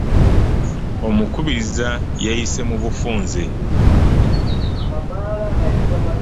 Omukubiriza yayise mu bufunze.